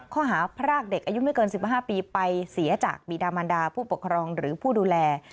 ข้อหาพรากเด็กอายุไม่เกิน๑๕ปีไปเสียจากบีดามันดาผู้ปกครองหรือผู้ดูแล